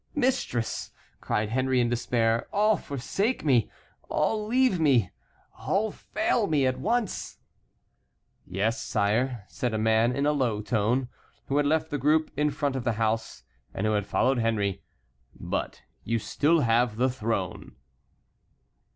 mistress!" cried Henry in despair—"all forsake me, all leave me, all fail me at once!" "Yes, sire," said a man in a low tone, who had left the group in front of the house, and who had followed Henry; "but you still have the throne!"